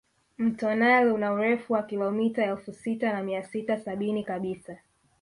Mto nile una urefu wa kilomita elfu sita na mia sita sabini kabisa